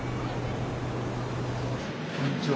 こんにちは。